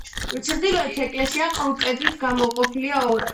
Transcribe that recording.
ჩრდილოეთ ეკლესია ყრუ კედლით გაყოფილია ორად.